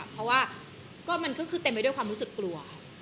เพราะว่ามันก็คือเต็มไปด้วยความรู้สึกกลัว